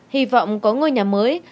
hy vọng có ngôi nhà mới